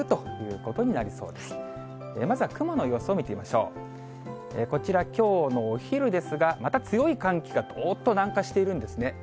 こちら、きょうのお昼ですが、また強い寒気が、どーっと南下しているんですね。